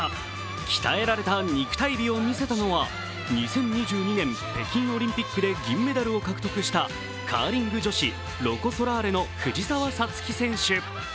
鍛えられた肉体美を見せたのは２０２２年北京オリンピックで銀メダルを獲得したカーリング女子・藤澤五月選手。